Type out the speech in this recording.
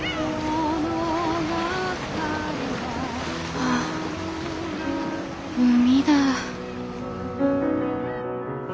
ああ海だぁ！